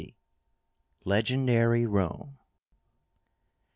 LEGENDARY ROME.